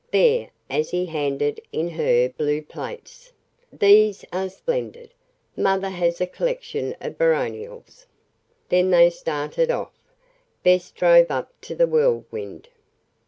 There," as he handed in her blue plates, "these are splendid. Mother has a collection of Baronials." Then they started off. Bess drove up to the Whirlwind.